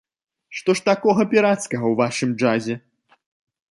Што ж такога пірацкага ў вашым джазе?